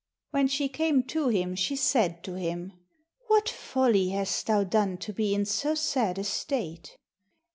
When she came to him she said to him: 'What folly hast thou done to be in so sad a state?'